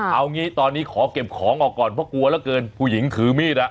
เอางี้ตอนนี้ขอเก็บของออกก่อนเพราะกลัวเหลือเกินผู้หญิงถือมีดอ่ะ